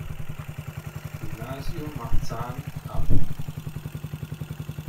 Gymnasium Marzahn“ ab.